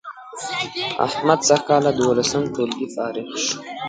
احمد سږ کال له دولسم ټولگي فارغ شو